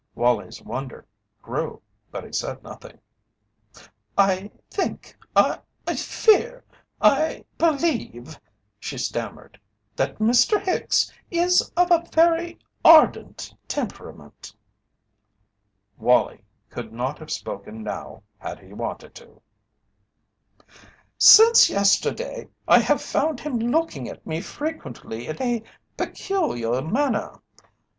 Wallie's wonder grew, but he said nothing. "I think I fear I believe," she stammered, "that Mr. Hicks is of a very ardent temperament." Wallie could not have spoken now had he wanted to. "Since yesterday I have found him looking at me frequently in a peculiar manner.